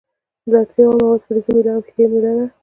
د اړتیا وړ مواد فلزي میله او ښيښه یي میله ده.